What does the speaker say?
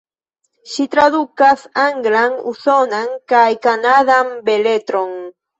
Ŝi tradukas anglan, usonan kaj kanadan beletron.